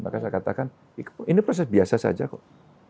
maka saya katakan ini proses biasa saja kok